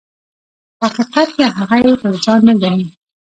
په حقیقت کې هغه یې پر ځان نه ګڼي.